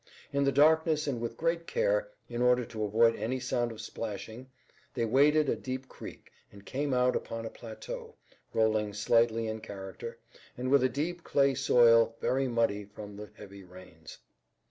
In the darkness and with great care, in order to avoid any sound of splashing, they waded a deep creek and came out upon a plateau, rolling slightly in character, and with a deep clay soil, very muddy from the heavy rains.